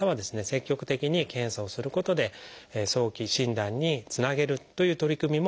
積極的に検査をすることで早期診断につなげるという取り組みも始まっています。